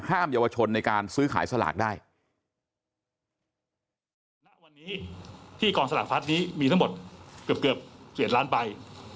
ห้ามเยาวชนในการซื้อขายสลากได้